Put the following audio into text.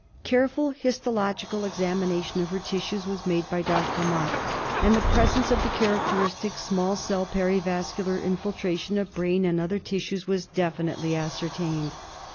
Careful histological examination of her tissues was made by Dr. Mott, and the presence of the characteristic small cell perivascular infiltration of brain and other tissues was definitely ascertained.